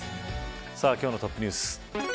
さあ、今日のトップニュース。